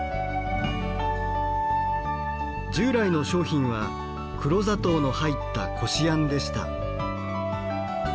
従来の商品は黒砂糖の入ったこしあんでした。